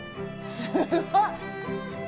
すごい。